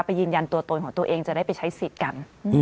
ยืนยันตัวตนของตัวเองจะได้ไปใช้สิทธิ์กัน